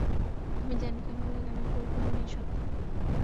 আমি জানি কেমন লাগে, আমি পরিপূর্ণ নিজ সত্ত্বা।